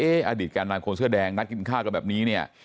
เอ๊ออดิตกาลนานควงเสื้อแดงนัดกินข้าวกันแบบนี้นี่